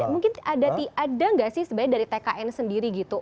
mungkin ada nggak sih sebenarnya dari tkn sendiri gitu